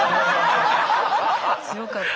強かった。